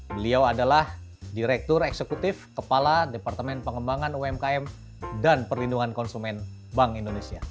beliau adalah direktur eksekutif kepala departemen pengembangan umkm dan perlindungan konsumen bank indonesia